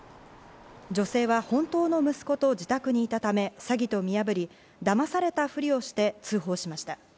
女性は本当の息子と自宅にいたため、詐欺と見破り、だまされたふりをして通報しました。